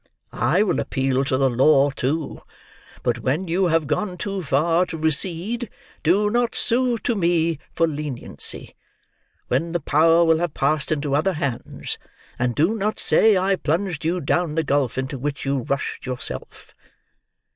I will appeal to the law too; but when you have gone too far to recede, do not sue to me for leniency, when the power will have passed into other hands; and do not say I plunged you down the gulf into which you rushed, yourself."